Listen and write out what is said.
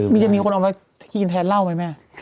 มียังมีคนเอามากินแท้เหล้าไหม